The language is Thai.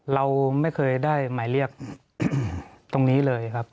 เราไม่เคยได้หมายเรียกตรงนี้เลยครับ